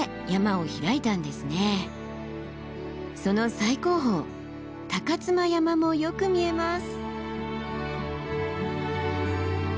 その最高峰高妻山もよく見えます。